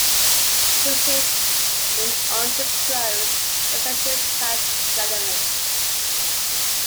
He received an undisclosed but "substantial" cash settlement.